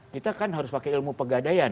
kita kan harus pakai ilmu pegadaian